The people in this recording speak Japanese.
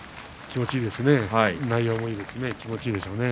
気持ちいいでしょうね。